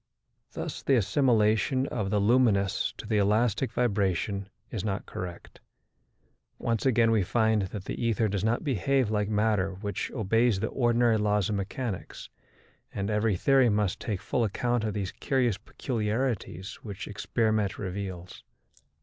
Thus the assimilation of the luminous to the elastic vibration is not correct. Once again we find that the ether does not behave like matter which obeys the ordinary laws of mechanics, and every theory must take full account of these curious peculiarities which experiment reveals.